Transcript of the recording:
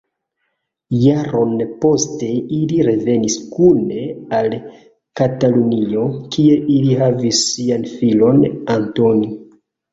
Jaron poste ili revenis kune al Katalunio, kie ili havis sian filon Antoni.